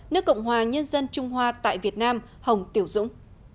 nước cộng hòa nhân dân trung hoa tại việt nam hồng tiểu dũng